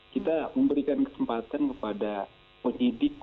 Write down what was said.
kita memberikan kesempatan kepada penyidik